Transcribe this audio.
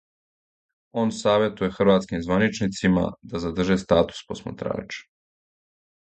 Он саветује хрватским званичницима да задрже статус посматрача.